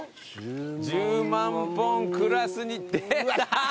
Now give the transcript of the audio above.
１０万本クラスに出た！